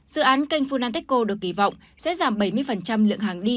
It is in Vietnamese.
dự án canh phunanteco được kỳ vọng sẽ giảm bảy mươi lượng hàng đi